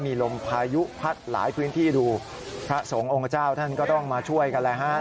มีลมพายุพัดหลายพื้นที่ดูพระสงฆ์องค์เจ้าท่านก็ต้องมาช่วยกันแล้วฮะ